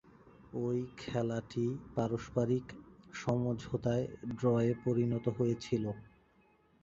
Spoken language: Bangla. ঐ খেলাটি পারস্পরিক সমঝোতায় ড্রয়ে পরিণত হয়েছিল।